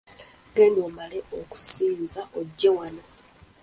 Genda omale okusinza ojje wano.